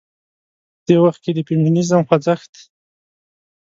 په دې وخت کې د فيمينزم خوځښت